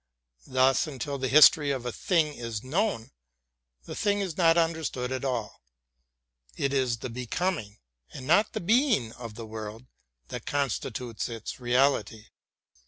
Thus until the history of a thing is known, the thing is not understood at all. It is the becoming and not the being of the world that constitutes its reality.